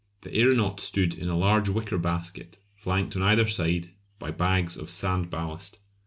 The aeronaut stood in a large wicker basket flanked on either side by bags of sand ballast.